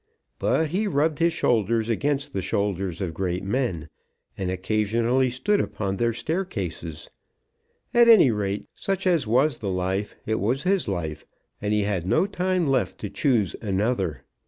But he rubbed his shoulders against the shoulders of great men, and occasionally stood upon their staircases. At any rate, such as was the life, it was his life; and he had no time left to choose another.